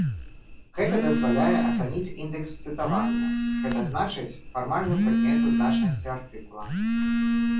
Гэта дазваляе ацаніць індэкс цытавання, гэта значыць фармальную прыкмету значнасці артыкула.